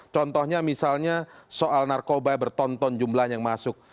contohnya misalnya soal narkoba bertonton jumlah yang masuk